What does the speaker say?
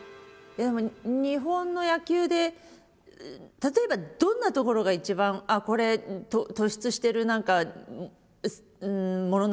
日本の野球で例えばどんなところが一番これ突出してるものなのかなっていうのは。